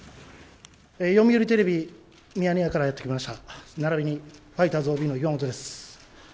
読売テレビ、ミヤネ屋からやって来ました、並びにファイターズＯＢの岩本です。